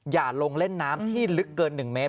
อย่าลงเล่นน้ำที่ลึกเกิน๑เมตร